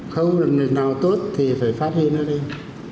khâu nào tốt thì phải phát hiện ra đây